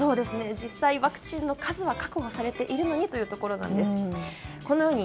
実際、ワクチンの数は確保されているのにというところなんです。